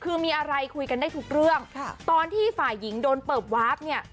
คือมีอะไรคุยกันได้ทุกเรื่องค่ะตอนที่ฝ่ายหญิงโดนเปิบวาบเนี่ย